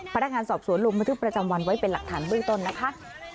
พนักงานสอบสวนลงบันทึกประจำวันไว้เป็นหลักฐานเบื้องต้นนะคะ